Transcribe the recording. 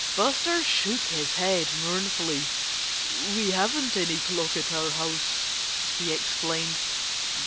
Buster shook his head mournfully. "We haven't any clock at our house," he explained.